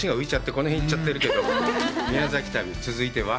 この辺行ってるけど、宮崎旅、続いては？